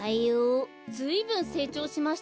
ずいぶんせいちょうしましたね。